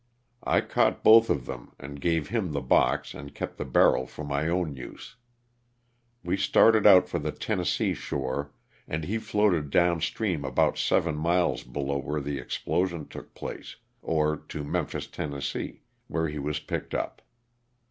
I caught both of them and gave him the box and kept the barrel for my own use. We started out for the Tennessee shore and he floated down stream about seven miles below where the explosion took place, or to Memphis, Tenn., where he was picked up.